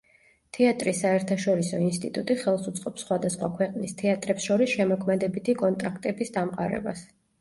თეატრის საერთაშორისო ინსტიტუტი ხელს უწყობს სხვადასხვა ქვეყნის თეატრებს შორის შემოქმედებითი კონტაქტების დამყარებას.